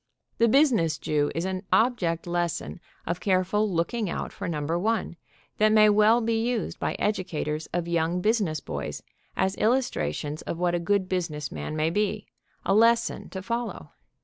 The business Jew is an object lesson of careful looking out for number one, that may well be used by educators of young business boys as illus trations of what a good business man may be, a les son to follow.